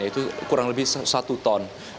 itu kurang lebih satu ton